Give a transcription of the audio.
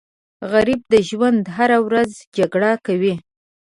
غریب د ژوند هره ورځ جګړه کوي